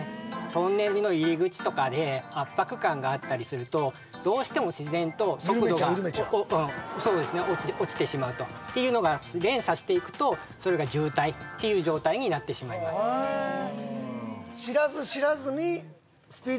トンネルの入り口とかで圧迫感があったりするとどうしても自然と速度が緩めちゃう緩めちゃうそうですね落ちてしまうとっていうのが連鎖していくとそれが渋滞っていう状態になってしまいますそうですね